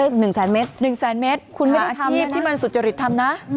คุณไม่ได้ทำนะหาอาชีพที่มันสุจริตทำนะ